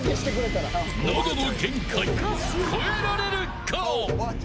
喉の限界、超えられるか。